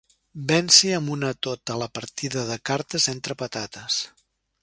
Venci amb un atot a la partida de cartes, entre patates.